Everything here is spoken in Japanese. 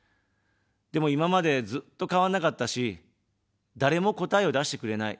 でも、今まで、ずっと変わんなかったし、誰も答えを出してくれない。